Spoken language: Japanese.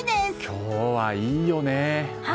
今日はいいよね。